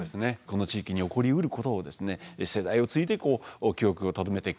この地域に起こりうることを世代を継いで記憶をとどめていくこと